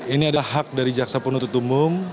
ini adalah hak dari jaksa penuntut umum